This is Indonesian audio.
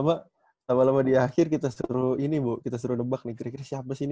nanti lama lama di akhir kita suruh ini bu kita suruh nebak nih kira kira siapa sih ini